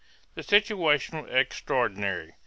The situation was extraordinary.